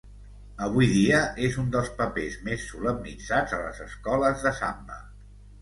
Avui dia, és un dels papers més solemnitzats a les escoles de samba.